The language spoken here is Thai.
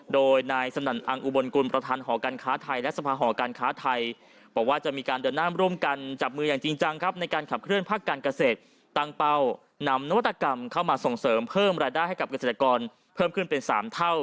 โดยนายสนั่นอังอุบลกุลประธานหอการค้าไทยและสภาหอการค้าไทยบอกว่าจะมีการเดินหน้าร่วมกันจับมืออย่างจริงจังครับในการขับเคลื่อภาคการเกษตรตั้งเป้านำนวัตกรรมเข้ามาส่งเสริมเพิ่มรายได้ให้กับเกษตรกรเพิ่มขึ้นเป็น๓เท่า